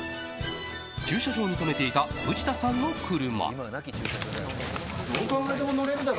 駐車場に止めていた藤田さんの車。